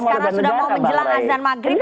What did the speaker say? karena sudah mau menjelang azan maghrib